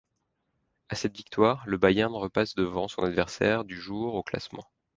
Avec cette victoire, le Bayern repasse devant son adversaire du jour au classement.